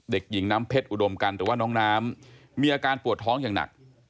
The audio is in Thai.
เด็กหญิงน้ำเพชรอุดมกันหรือว่าน้องน้ำมีอาการปวดท้องอย่างหนัก